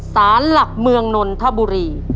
สารหลักเมืองนนทบุรี